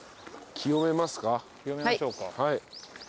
清めましょうか。